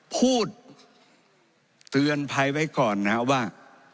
พูดเตือนภัยไว้ก่อนนะครับว่า